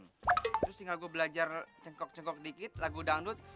terus tinggal gue belajar cengkok cengkok dikit lagu dangdut